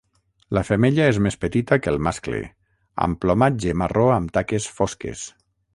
La femella és més petita que el mascle, amb plomatge marró amb taques fosques.